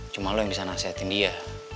cuma lo yang bisa nasihatin dia